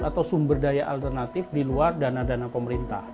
atau sumber daya alternatif di luar dana dana pemerintah